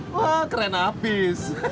wah keren abis